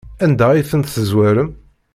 Anda ay tent-tezwarem?